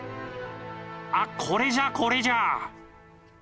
あっこれじゃこれじゃ！